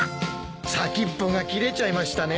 先っぽが切れちゃいましたね。